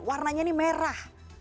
warnanya ini merah